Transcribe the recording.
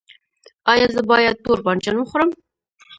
ایا زه باید تور بانجان وخورم؟